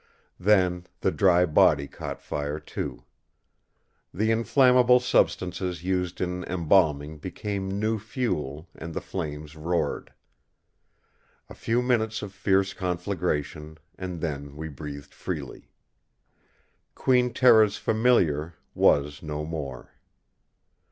Then the dry body caught fire too. The inflammable substances used in embalming became new fuel, and the flames roared. A few minutes of fierce conflagration; and then we breathed freely. Queen Tera's Familiar was no more!